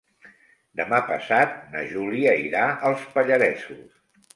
Demà passat na Júlia irà als Pallaresos.